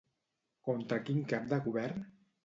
Contra quin cap de govern?